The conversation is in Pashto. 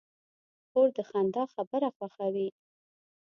خور د خندا خبره خوښوي.